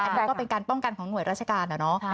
อันนี้ก็เป็นการป้องกันของหน่วยราชการนะเนาะ